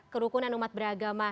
kerukunan umat beragama